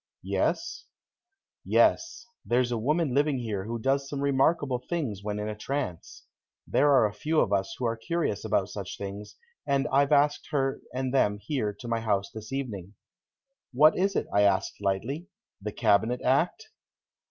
"Yes?" "Yes. There's a woman living here who does some remarkable things when in a trance. There are a few of us who are curious about such things, and I've asked her and them here to my house this evening." "What is it?" I asked lightly; "the cabinet act?"